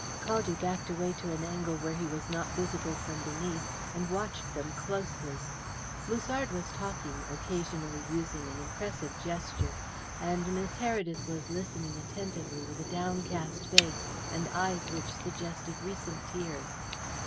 Caldew backed away to an angle where he was not visible from beneath, and watched them closely. Musard was talking, occasionally using an impressive gesture, and Miss Heredith was listening attentively, with a downcast face, and eyes which suggested recent tears.